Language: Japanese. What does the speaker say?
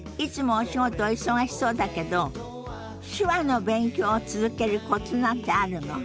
お忙しそうだけど手話の勉強を続けるコツなんてあるの？